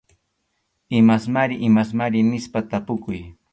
Imasmari imasmari nispa tapukuy.